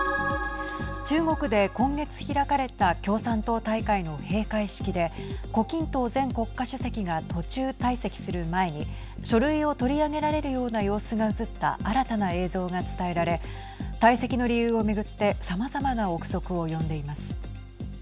中国で今月開かれた共産党大会の閉会式で胡錦涛前国家主席が途中退席する前に書類を取り上げられるような様子が映った新たな映像が伝えられ退席の理由を巡ってさまざまな臆測を呼んでいます。